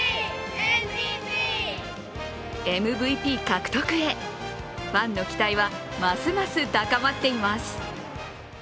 ＭＶＰ獲得へ、ファンの期待はますます高まっています。